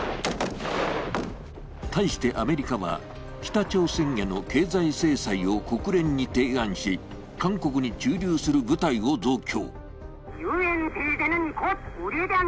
対してアメリカは、北朝鮮への経済制裁を国連に提案し、韓国に駐留する部隊を増強。